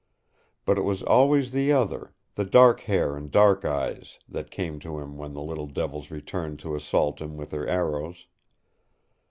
But it was always the other the dark hair and dark eyes that came to him when the little devils returned to assault him with their arrows.